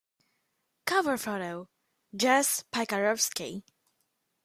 Cover photo: Jess Paikarovski.